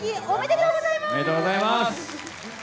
おめでとうございます！